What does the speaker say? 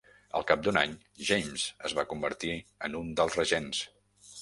Al cap d'un any, James es va convertir en un dels regents.